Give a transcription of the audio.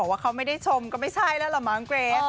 จะบอกว่าเขาไม่ได้ชมก็ไม่ใช่แล้วเหรอมาร์มเกรฟ